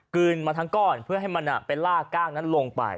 มาทั้งก้อนเพื่อให้มันไปลากก้างนั้นลงไป